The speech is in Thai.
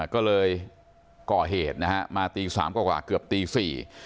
ก็เลยก่อเหตุมาตี๓กว่าเกือบตี๔